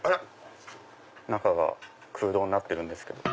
中が空洞になってるんですけど。